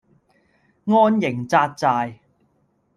安營紮寨